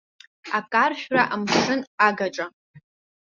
Акаршәра, амшын агаҿа.